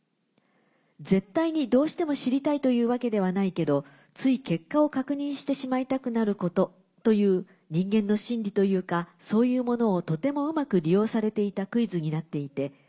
絶対にどうしても知りたいというわけではないけどつい結果を確認してしまいたくなることという人間の心理というかそういうものをとてもうまく利用されていたクイズになっていて。